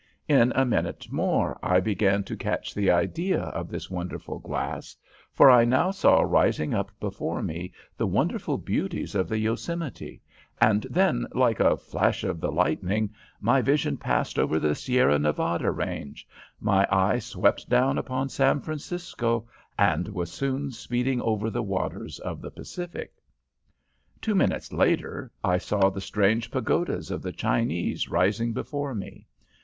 In a minute more I began to catch the idea of this wonderful glass, for I now saw rising up before me the wonderful beauties of the Yosemite, and then, like a flash of the lightning, my vision passed over the Sierra Nevada range, my eye swept down upon San Francisco, and was soon speeding over the waters of the Pacific. "Two minutes later I saw the strange pagodas of the Chinese rising before me.